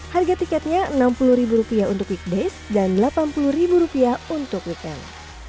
harga tiketnya rp enam puluh untuk weekdays dan rp delapan puluh untuk retail